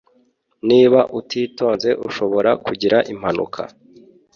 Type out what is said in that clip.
Niba utitonze ushobora kugira impanuka